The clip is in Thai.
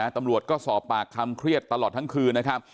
ตำรวจก็สอบปากคำเครียดตลอดทั้งคืนนะครับ